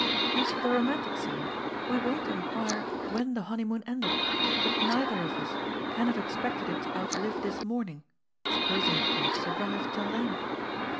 As for the romantic side, we won't inquire when the honeymoon ended, but neither of us can have expected it to outlive this morning, suppos ing it to have survived till then.